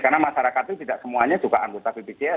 karena masyarakat itu tidak semuanya juga anggota bpjs